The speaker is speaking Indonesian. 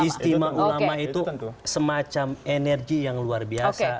istimewa ulama itu semacam energi yang luar biasa